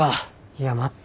いや待って。